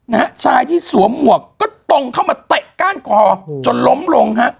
นะฮะชายที่สวมหมวกก็ตรงเข้ามาเตะก้านคอจนล้มลงฮะ